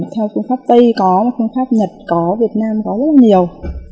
theo phương pháp tây có phương pháp nhật có việt nam có rất là nhiều